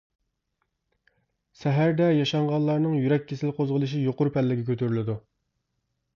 سەھەردە ياشانغانلارنىڭ يۈرەك كېسىلى قوزغىلىشى يۇقىرى پەللىگە كۆتۈرۈلىدۇ.